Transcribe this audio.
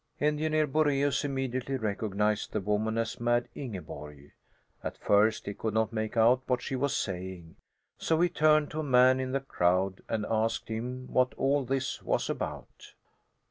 Engineer Boraeus immediately recognized the woman as Mad Ingeborg. At first he could not make out what she was saying, so he turned to a man in the crowd and asked him what all this was about.